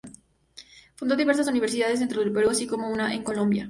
Fundó diversas universidades dentro del Perú, así como una en Colombia.